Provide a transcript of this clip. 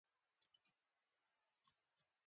مړه ته د صدقې جار دعا وکړه